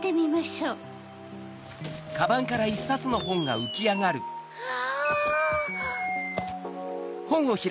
うわ！